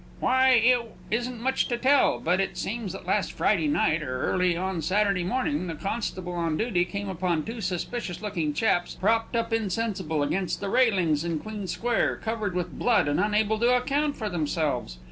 "Why, it isn't much to tell; but it seems that last Friday night, or early on Saturday morning, the constable on duty came upon two suspicious looking chaps, propped up insensible against the railings in Queen Square, covered with blood, and unable to account for themselves.